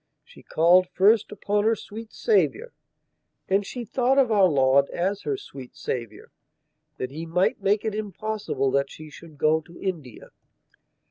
She called first upon her sweet Saviourand she thought of Our Lord as her sweet Saviour!that He might make it impossible that she should go to India.